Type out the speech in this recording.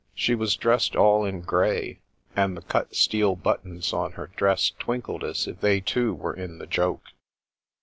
She was dressed all in grey, and the cut sted buttons on her dress twinkled as if they too were in the joke.